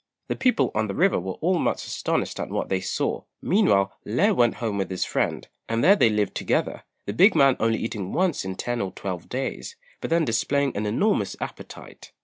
The people on the river were all much astonished at what they saw; meanwhile Lê went home with his friend, and there they lived together, the big man only eating once in ten or twelve days, but then displaying an enormous appetite.